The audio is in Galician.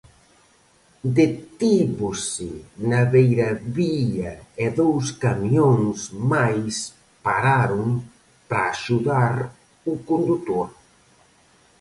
Detívose na beiravía e dous camións máis pararon para axudar o condutor.